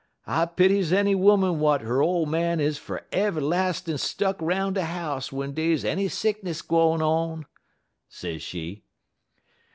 I pities any 'oman w'at 'er ole man is fer'verlastin' stuck 'roun' de house w'en dey's any sickness gwine on,' sez she.